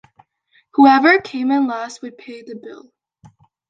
Whoever came in last would pay the bill.